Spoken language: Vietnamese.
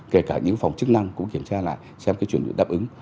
kể cả những phòng chức năng cũng kiểm tra lại xem cái chuyển đổi đáp ứng